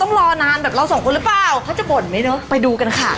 ทำใจเลยนะตอนนี้มีออเดอร์เยอะอยู่หรือไง